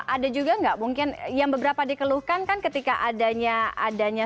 ada juga nggak mungkin yang beberapa dikeluhkan kan ketika adanya